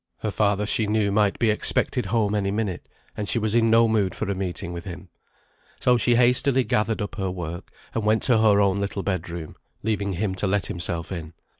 Her father she knew might be expected home any minute, and she was in no mood for a meeting with him. So she hastily gathered up her work, and went to her own little bed room, leaving him to let himself in.